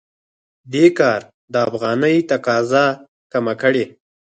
دې کار د افغانۍ تقاضا کمه کړې.